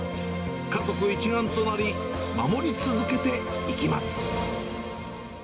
家族一丸となり、守り続けていきます。